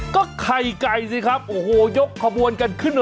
ก็ไข่ไก่สิครับโอ้โหยกขบวนกันขึ้นมา